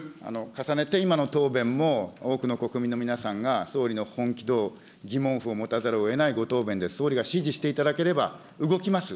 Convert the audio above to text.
重ねて今の答弁も、多くの国民の皆さんが、総理の本気度を疑問符を持たざるをえないご答弁で、総理が指示していただければ、動きます。